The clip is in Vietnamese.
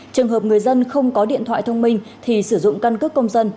trường hợp người dân không có điện thoại thông minh thì sử dụng căn cước công dân